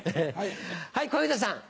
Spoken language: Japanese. はい小遊三さん。